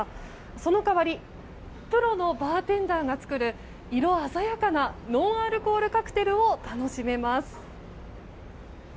その代わりプロのバーテンダーが作る色鮮やかなノンアルコールカクテルを楽しめます。